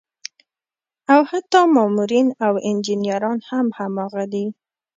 او حتا مامورين او انجينران هم هماغه دي